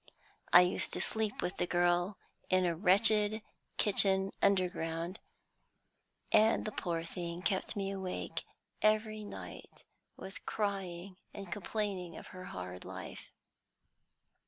I used to sleep with the girl in a wretched kitchen underground, and the poor thing kept me awake every night with crying and complaining of her hard life.